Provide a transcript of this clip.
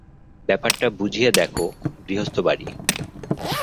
ব্যাপারটা বুঝিয়া দাখো গৃহস্থবাড়ি।